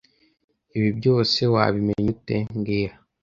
Ibi byose wabimenya ute mbwira